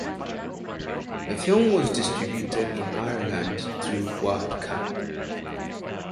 The film was distributed in Ireland through Wildcard.